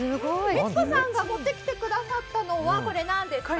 光子さんが持ってきてくださったのは何ですか？